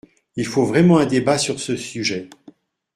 Il faut vraiment un débat sur ce sujet.